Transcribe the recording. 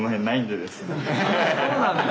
そうなんだ！